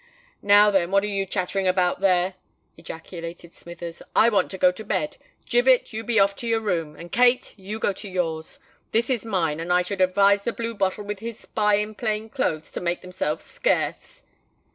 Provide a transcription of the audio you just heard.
"Now, then, what are you chattering about there?" ejaculated Smithers. "I want to go to bed: Gibbet, you be off to your room—and, Kate, you go to yours. This is mine—and I should advise the blue bottle with his spy in plain clothes to make themselves scarce."